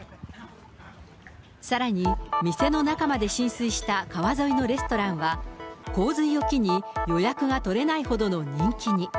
さらに、店の中まで浸水した川沿いのレストランは、洪水を機に予約が取れないほどの人気に。